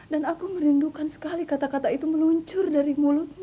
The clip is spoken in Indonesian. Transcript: dan aku merindukan sekali kata kata itu meluncur dari mulutmu